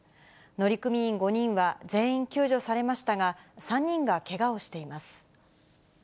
乗組員５人は全員救助されましたが、３人がけがをしています。